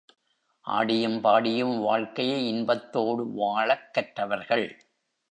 ஆடியும் பாடியும் வாழ்க்கையை இன்பத்தோடு வாழக் கற்றவர்கள்.